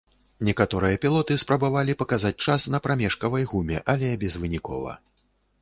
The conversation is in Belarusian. Некаторыя пілоты спрабавалі паказаць час на прамежкавай гуме, але безвынікова.